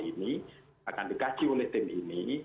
ini akan dikaji oleh tim ini